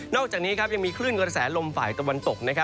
อกจากนี้ยังมีคลื่นกระแสลมฝ่ายตะวันตก